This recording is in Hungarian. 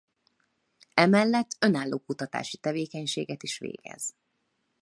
Emellett önálló kutatási tevékenységet is végez.